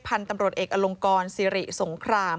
พันธุ์ตำรวจเอกอลงกรสิริสงคราม